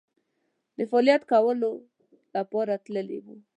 د فعالیت کولو لپاره تللي وو.